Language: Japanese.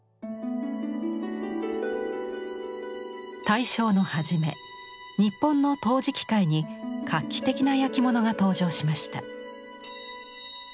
大正の初め日本の陶磁器界に画期的な焼き物が登場しました。